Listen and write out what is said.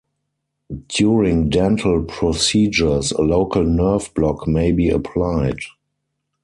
During dental procedures, a local nerve block may be applied.